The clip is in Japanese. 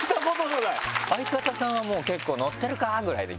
相方さんはもう結構「のってるか！」ぐらいで？